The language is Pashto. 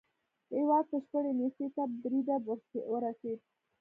هېواد بشپړې نېستۍ تر بريده ورسېد.